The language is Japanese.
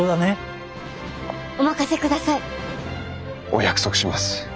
お約束します。